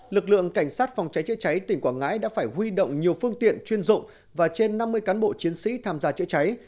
lực lượng cảnh sát phòng cháy chữa cháy tỉnh quảng ngãi đã phải huy động nhiều phương tiện chuyên dụng và trên năm mươi cán bộ chiến sĩ tham gia chữa cháy